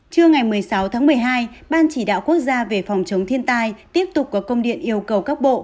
trưa ngày một mươi sáu tháng một mươi hai ban chỉ đạo quốc gia về phòng chống thiên tai tiếp tục có công điện yêu cầu các bộ